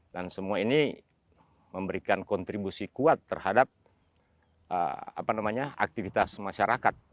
dan semua ini memberikan kontribusi kuat terhadap aktivitas masyarakat